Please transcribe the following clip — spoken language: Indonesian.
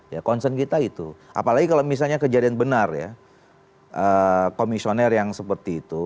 ya concern kita itu apalagi kalau misalnya kejadian benar ya komisioner yang seperti itu